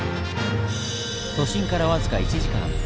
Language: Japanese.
都心から僅か１時間。